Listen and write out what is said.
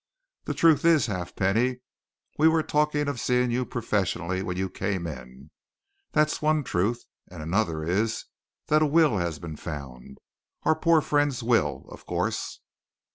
"The truth is, Halfpenny, we were talking of seeing you professionally when you came in. That's one truth another is that a will has been found our poor friend's will, of course."